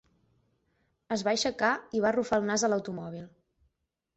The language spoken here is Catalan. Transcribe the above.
Es va aixecar i va arrufar el nas a l'automòbil.